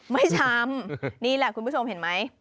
ช้ำนี่แหละคุณผู้ชมเห็นไหม